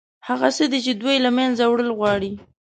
هغه څه چې دوی له منځه وړل غواړي.